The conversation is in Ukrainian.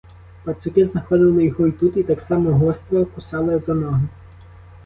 Пацюки знаходили його й тут і так само гостро кусали за ноги.